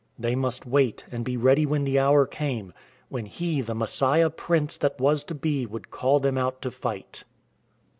They must wait, and be ready when the hour came — when He the Messiah Prince that was to be would call them out to fight.